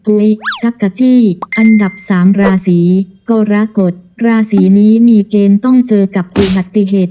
จักรจี้อันดับสามราศีกรกฎราศีนี้มีเกณฑ์ต้องเจอกับอุบัติเหตุ